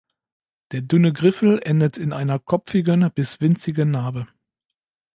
Der dünne Griffel endet in einer kopfigen bis winzigen Narbe.